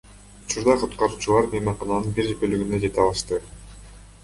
Учурда куткаруучулар мейманкананын бир бөлүгүнө жете алышты.